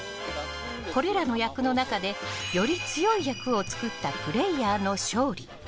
これらの役の中でより強い役を作ったプレーヤーの勝利。